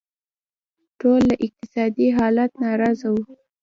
ټول له اقتصادي حالت ناراضه وو.